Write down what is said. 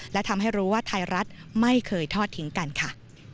และทำให้รู้ว่าไทยรัฐไม่เคยทอดทิ้งกันค่ะ